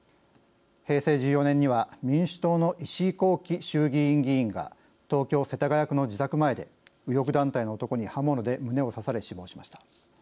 平成１４年には民主党の石井紘基衆議院議員が東京・世田谷区の自宅前で右翼団体の男に刃物で胸を刺され死亡しました。